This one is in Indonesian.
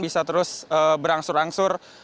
bisa terus berangsur angsur